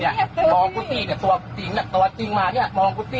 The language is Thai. นี่มองกูสิเนี่ยตัวจริงมาเนี่ยตัวจริงมาเนี่ยมองกูสิ